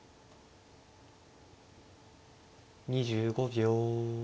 ２５秒。